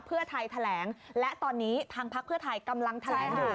เพื่อไทยแถลงและตอนนี้ทางพไทยกำลังแถลง